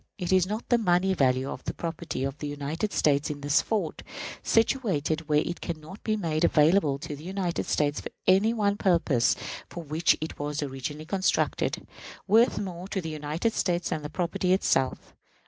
Is not the money value of the property of the United States in this fort, situated where it can not be made available to the United States for any one purpose for which it was originally constructed, worth more to the United States than the property itself?